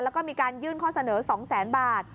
แล้วก็มีการยื่นข้อเสนอ๒แสนบาท